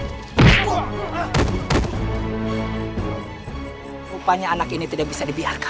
rupanya anak ini tidak bisa dibiarkan